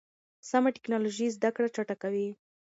سمه ټکنالوژي زده کړه چټکوي.